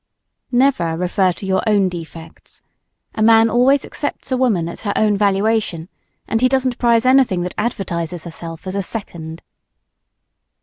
Never refer to your own defects. A man always accepts a woman at her own valuation; and he doesn't prize anything that advertises herself as a "second."